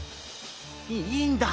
いいんだ。